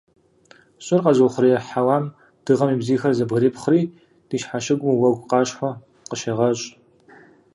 Щӏыр къэзыухъуреихь хьэуам Дыгъэм и бзийхэр зэбгрепхъри ди щхьэщыгум уэгу къащхъуэ къыщегъэщӏ.